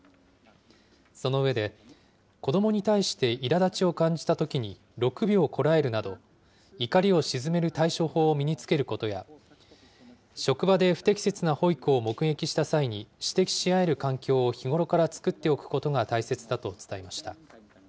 その上で、子どもに対していらだちを感じたときに６秒こらえるなど、怒りをしずめる対処法を身につけることや、職場で不適切な保育を目撃した際に、指摘し合える環境を日頃から作っておくことが大切だと伝えました。